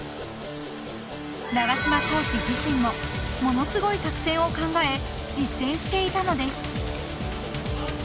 ［長島コーチ自身もものすごい作戦を考え実践していたのです］